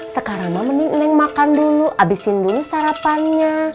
sekarang mah mending makan dulu abisin dulu sarapannya